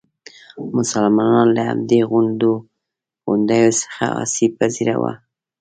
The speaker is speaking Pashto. مسلمانان له همدې غونډیو څخه آسیب پذیره وو.